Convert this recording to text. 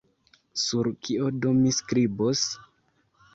Sur kio do mi skribos?